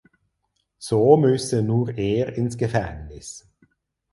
So müsse nur er ins Gefängnis.